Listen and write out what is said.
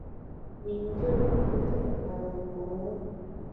د انځر ګل د څه لپاره وکاروم؟